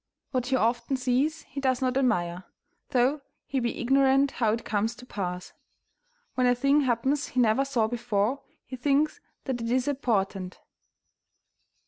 ["What he often sees he does not admire, though he be ignorant how it comes to pass. When a thing happens he never saw before, he thinks that it is a portent."